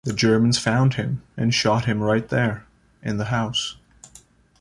The Germans found him and shot him right there, in the house.